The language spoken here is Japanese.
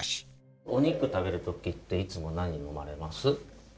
お肉食べる時っていつも何飲まれます？